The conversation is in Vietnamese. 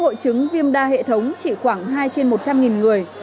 hội chứng viêm đa hệ thống chỉ khoảng hai trên một trăm linh người